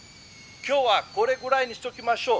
「今日はこれぐらいにしておきましょう。